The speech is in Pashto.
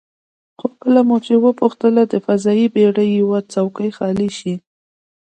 خو کله مو چې وپوښتله که د فضايي بېړۍ یوه څوکۍ خالي شي،